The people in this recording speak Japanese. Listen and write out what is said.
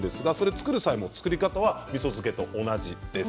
作る際の作り方はみそ漬けと同じです。